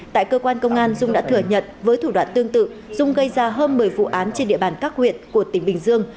tại cơ quan công an dung đã thừa nhận với thủ đoạn tương tự dung gây ra hơn một mươi vụ án trên địa bàn các huyện của tỉnh bình dương